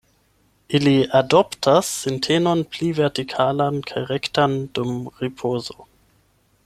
Ili adoptas sintenon pli vertikalan kaj rektan dum ripozo.